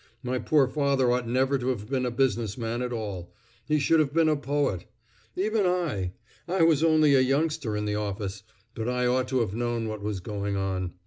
My poor father ought never to have been a business man at all; he should have been a poet. Even I I was only a youngster in the office, but I ought to have known what was going on.